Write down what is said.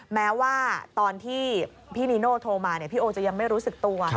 แม้ว่าตอนที่พี่นีโน่โทรมาพี่โอจะยังไม่รู้สึกตัว